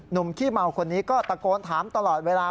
ขี้เมาคนนี้ก็ตะโกนถามตลอดเวลา